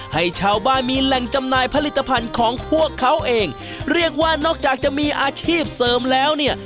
ให้ชาวบ้านมีแหล่งจำหน่ายผลิตภัณฑ์ของพวกเขาเองเรียกว่านอกจากจะมีอาชีพเสริมแล้วเนี่ย